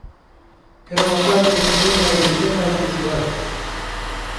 Era unha práctica común nas relixións da antigüidade.